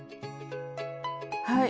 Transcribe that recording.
はい。